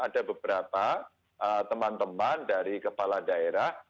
ada beberapa teman teman dari kepala daerah